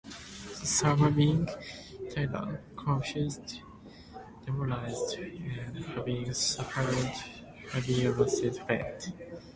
The surviving Taira, confused, demoralized, and having suffered heavy losses, fled.